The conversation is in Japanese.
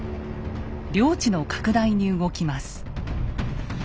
領地の拡大に動きます。